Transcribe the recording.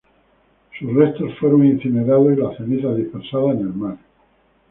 Sus restos fueron incinerados, y las cenizas dispersadas en el mar.